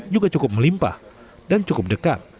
juga cukup melimpah dan cukup dekat